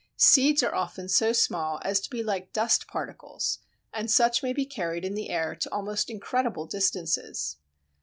Seeds are often so small as to be like dust particles, and such may be carried in the air to almost incredible distances.